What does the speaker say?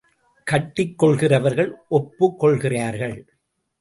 கட்டிக் கொள்கிறவர்கள் ஒப்புக்கொள்கிறார்கள்.